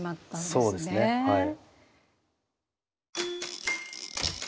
そうですねはい。